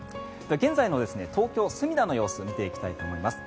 現在の東京・墨田の様子を見ていきたいと思います。